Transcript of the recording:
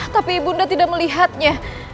tapi ibu nda tidak melihatnya